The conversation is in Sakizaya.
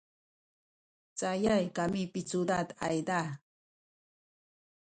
cayay kami picudad ayza